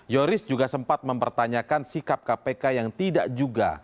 yoris juga sempat mempertanyakan sikap kpk yang tidak juga